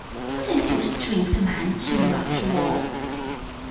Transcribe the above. What does your strength amount to after all?